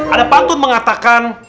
ada pantun mengatakan